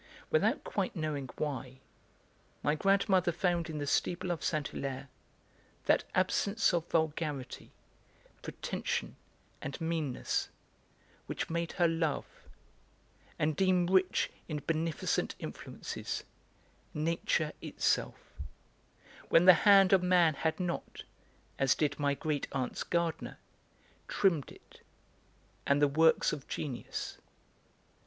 Without quite knowing why, my grandmother found in the steeple of Saint Hilaire that absence of vulgarity, pretension, and meanness which made her love and deem rich in beneficent influences nature itself, when the hand of man had not, as did my great aunt's gardener, trimmed it, and the works of genius.